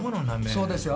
そうですよ。